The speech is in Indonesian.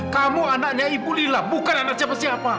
kamu anaknya ibu lila bukan anak siapa siapa